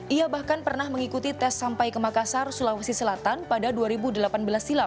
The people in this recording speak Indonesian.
ia bahkan pernah mengikuti tes sampai ke makassar sulawesi selatan pada dua ribu delapan belas silam